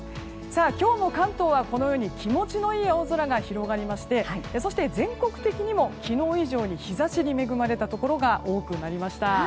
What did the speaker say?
今日も関東はこのように気持ちのいい青空が広がりまして、全国的にも昨日以上に日差しに恵まれたところが多くなりました。